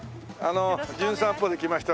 『じゅん散歩』で来ました